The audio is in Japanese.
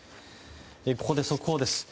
ここで速報です。